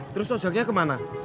terus ojaknya kemana